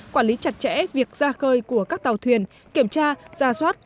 quản lý chặt chẽ việc ra khơi của các tàu thuyền kiểm tra ra soát